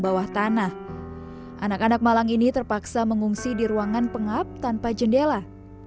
bawah tanah anak anak malang ini terpaksa mengungsi di ruangan pengap tanpa jendela